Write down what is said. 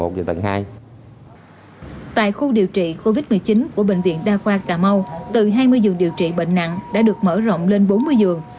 tại khu điều trị covid một mươi chín của bệnh viện đa khoa cà mau từ hai mươi giường điều trị bệnh nặng đã được mở rộng lên bốn mươi giường